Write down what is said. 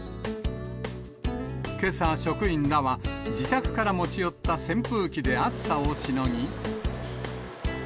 けさ、職員らは、自宅から持ち寄った扇風機で暑さをしのぎ。